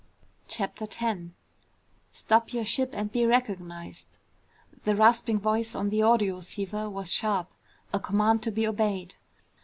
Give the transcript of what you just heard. CHAPTER 10 "Stop your ship and be recognized!" The rasping voice on the audioceiver was sharp. A command to be obeyed.